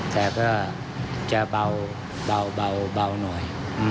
แต่ก็จะเบาหน่อย